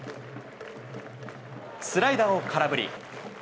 スライダーを空振り。